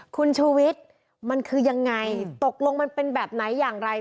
คุณชูวิทย์มันคือยังไงตกลงมันเป็นแบบไหนอย่างไร